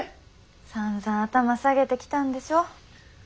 さんざん頭下げてきたんでしょ？